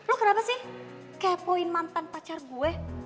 lu kenapa sih kepoin mantan pacar gue